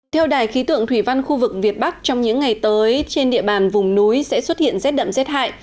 theo đài khí tượng thủy văn khu vực việt bắc trong những ngày tới trên địa bàn vùng núi sẽ xuất hiện rét đậm rét hại